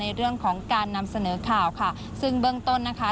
ในเรื่องของการนำเสนอข่าวค่ะซึ่งเบื้องต้นนะคะ